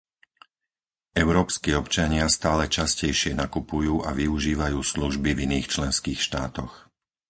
Európski občania stále častejšie nakupujú a využívajú služby v iných členských štátoch.